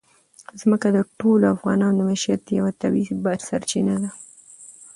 ځمکه د ټولو افغانانو د معیشت یوه طبیعي سرچینه ده.